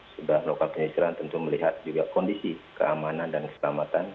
sudah melakukan penyisiran tentu melihat juga kondisi keamanan dan keselamatan